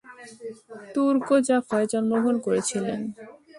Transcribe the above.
Turk জাফায় জন্মগ্রহণ করেছিলেন।